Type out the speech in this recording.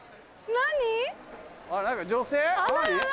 何？